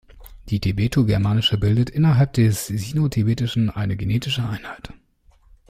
Das Tibetobirmanische bildet innerhalb des Sinotibetischen eine genetische Einheit.